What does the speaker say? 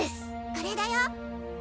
これだよ。